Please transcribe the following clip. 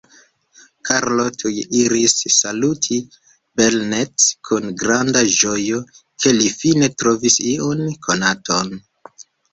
Karlo tuj iris saluti Belnett kun granda ĝojo, ke li fine trovis iun konaton.